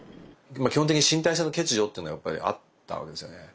基本的に身体性の欠如っていうのがやっぱりあったわけですよね。